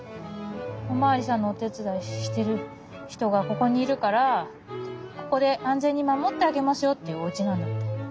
おまわりさんのおてつだいしてるひとがここにいるからここであんぜんにまもってあげますよっていうおうちなんだって。